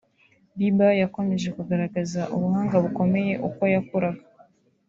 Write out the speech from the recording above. Bieber yakomeje kugaragaza ubuhanga bukomeye uko yakuraga